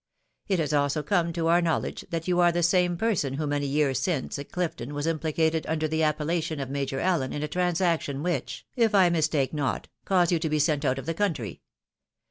It has also come to our knowledge that you are the same person who many years since at Clifton was im phoated under the appellation of Major Allen in a transaction which, if I mistake not, caused you to be sent out of the country.